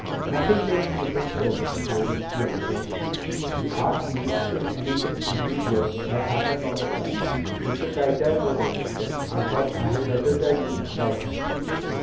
"Nothing makes me think so, Mr. Quayle," Vicki answered. "You asked me if anything unusual had happened on the flight. Mr. Tytell was unusual, and I thought I had better tell you about him."